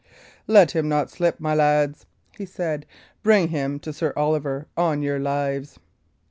"Let him not slip, my lads," he said. "Bring him to Sir Oliver, on your lives!"